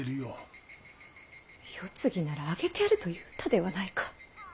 世継ぎならあげてやると言うたではないか！